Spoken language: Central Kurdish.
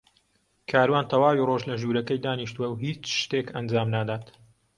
کاروان تەواوی ڕۆژ لە ژوورەکەی دانیشتووە و هیچ شتێک ئەنجام نادات.